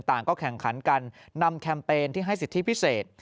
ต่างก็แข่งขันกันนำแคมเปญที่ให้สิทธิพิเศษ